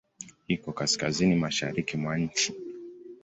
Iko Kaskazini mashariki mwa nchi.